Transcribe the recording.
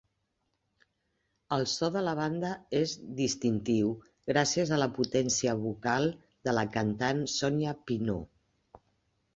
El so de la banda és distintiu gràcies a la potència vocal de la cantant Sonia Pineault.